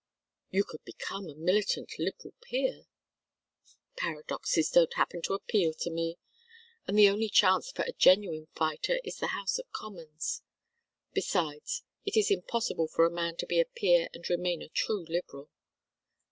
"You could become a militant Liberal peer." "Paradoxes don't happen to appeal to me. And the only chance for a genuine fighter is the House of Commons. Besides, it is impossible for a man to be a peer and remain a true Liberal.